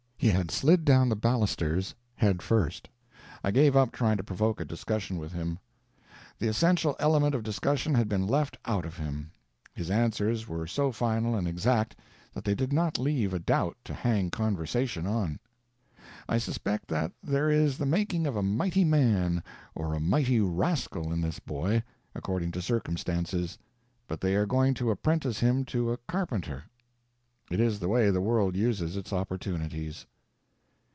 He had slid down the balusters, headfirst. I gave up trying to provoke a discussion with him. The essential element of discussion had been left out of him; his answers were so final and exact that they did not leave a doubt to hang conversation on. I suspect that there is the making of a mighty man or a mighty rascal in this boy according to circumstances but they are going to apprentice him to a carpenter. It is the way the world uses its opportunities.